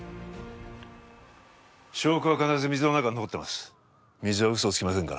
証拠は必ず水の中に残っています。